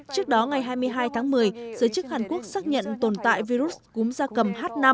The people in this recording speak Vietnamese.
trước đó ngày hai mươi hai tháng một mươi giới chức hàn quốc xác nhận tồn tại virus cúm da cầm h năm